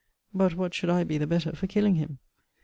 But what should I be the better for killing him?